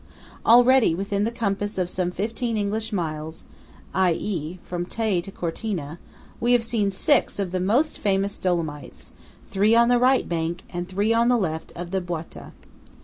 Already, within the compass of some fifteen English miles (i. e., from Tai to Cortina), we have seen six of the most famous Dolomites, three on the right bank and three on the left of the Boita.